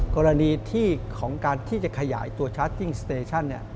กรณีที่ของการที่จะขยายตัวชาร์จติ้งสเตชั่น